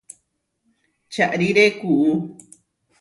Čaʼríre kuʼú.